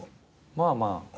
まあまあ。